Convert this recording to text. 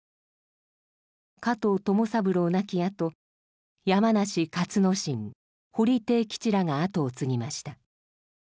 加藤友三郎亡きあと山梨勝之進堀悌吉らが後を継ぎました。